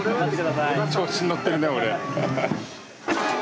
調子に乗ってるね俺。